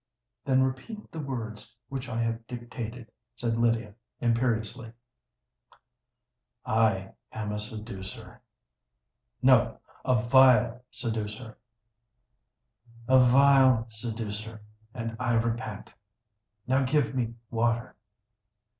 "Then repeat the words which I have dictated," said Lydia, imperiously. "I am a seducer——" "No: a vile seducer!" "A vile seducer—and I repent. Now give me water!"